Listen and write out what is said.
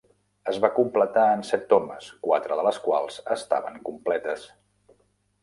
Es va completar en set tomes, quatre de les quals estaven completes.